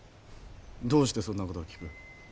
どうしてそんな事を聞く？